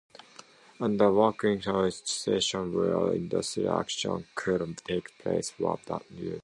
Under WorkChoices, situations where industrial action could take place were reduced.